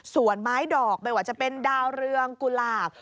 ส่วนไม้ดอกไม่ว่าจะเป็นดาวเรืองกุหลาบ